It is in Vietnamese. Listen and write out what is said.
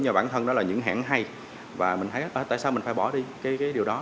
nhờ bản thân đó là những hãng hay và mình thấy tại sao mình phải bỏ đi cái điều đó